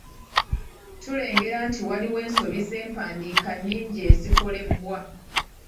Tulengera nti waliwo ensobi z’empandiika nnyingi ezikolebwa.